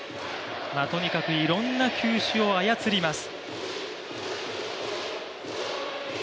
とにかくいろんな球種を操ります。